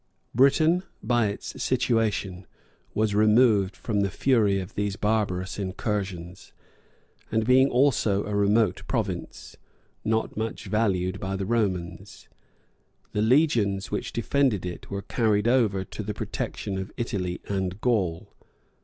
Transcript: Britain by its situation was removed from the fury of these barbarous incursions; and being also a remote province, not much valued by the Romans, the legions which defended it were carried over to the protection of Italy and Gaul.